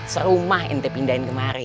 serumah saya pindahin kemari